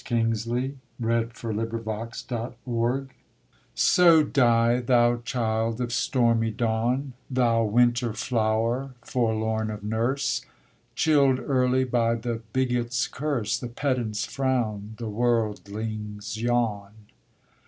ON THE DEATH OF A CERTAIN JOURNAL So die, thou child of stormy dawn, Thou winter flower, forlorn of nurse; Chilled early by the bigot's curse, The pedant's frown, the worldling's yawn.